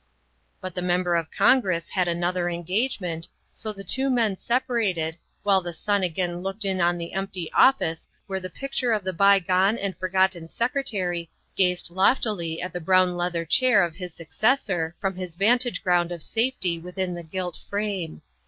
But the Member of Congress had another engagement, so the two men separated, while the sun again looked in THE SECRETARY OF STATE 187 on the empty office where the picture of the bygone and forgotten Secretary gazed loftily at the brown leather chair of his successor from his vantage ground of safety within the gilt frame.